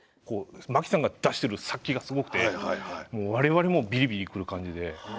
槇さんが出してる殺気がすごくて我々もビリビリ来る感じで。